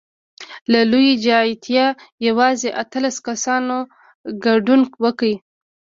له لوی جمعیته یوازې اتلس کسانو ګډون وکړ.